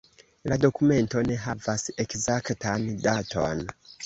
La dokumento ne havas ekzaktan daton.